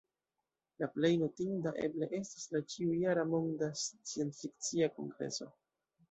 La plej notinda eble estas la ĉiu-jara Monda Sciencfikcia Kongreso.